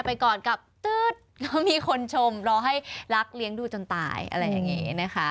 ไปก่อนกับตื๊ดก็มีคนชมรอให้รักเลี้ยงดูจนตายอะไรอย่างนี้นะคะ